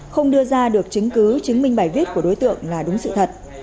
không đưa ra được chứng cứ chứng minh bài viết của đối tượng là đúng sự thật